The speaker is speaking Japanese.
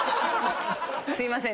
すいません